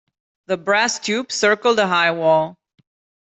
The brass tube circled the high wall.